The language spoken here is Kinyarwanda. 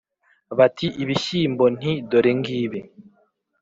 bati : ibishyimbo, nti : dore ngibi.